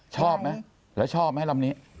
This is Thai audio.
ชอบไหมแล้วชอบไหมลำนี้